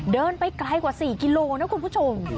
เดินไปไกลกว่า๔กิโลนะคุณผู้ชม